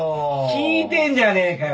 聞いてるじゃねえかよ